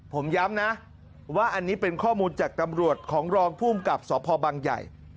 ผมย้ำนะว่าอันนี้เป็นข้อมูลจากตำรวจของรองภูมิกับสพบังใหญ่